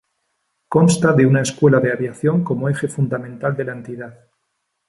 Consta de una escuela de aviación como eje fundamental de la entidad.